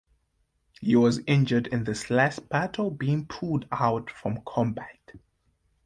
He was injured in this last battle being pulled out from combat.